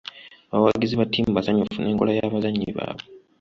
Abawagizi ba ttiimu basanyufu n'enkola y'abazannyi baabwe.